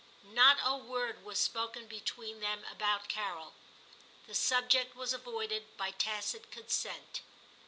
Not a word was spoken between them about Carol ; the subject was avoided by tacit consent.